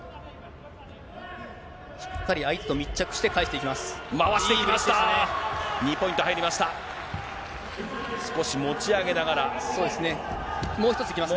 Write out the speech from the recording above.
しっかり相手と密着して、返していきます。